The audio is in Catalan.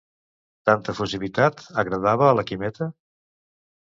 Tanta efusivitat agradava a la Quimeta?